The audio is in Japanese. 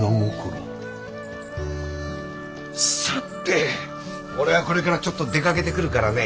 さて俺はこれからちょっと出かけてくるからね。